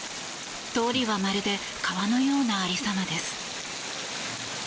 通りはまるで川のような有り様です。